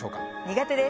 苦手です。